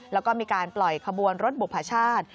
แล้วก็มีการปล่อยขบวนรถบุพชาติ